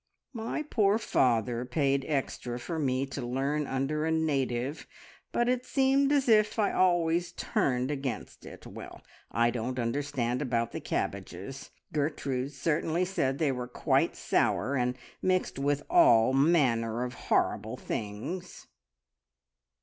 My poor father paid extra for me to learn under a native, but it seemed as if I always turned against it. Well, I don't understand about the cabbages; Gertrude certainly said they were quite sour, and mixed with all manner of horrible things!"